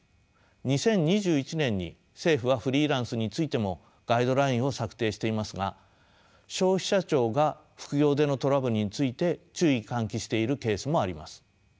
２０２１年に政府はフリーランスについてもガイドラインを策定していますが消費者庁が副業でのトラブルについて注意喚起しているケースもあります。